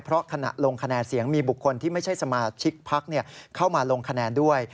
เพราะขณะลงคะแนนเสียงมีบุคคลที่ไม่ใช่สมาชิกพักเข้ามาลงคะแนนด้วย